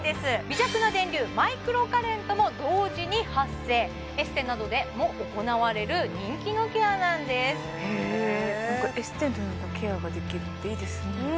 微弱な電流マイクロカレントも同時に発生エステなどでも行われる人気のケアなんですなんかエステのようなケアができるっていいですね